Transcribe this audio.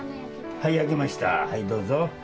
はい焼けましたどうぞ。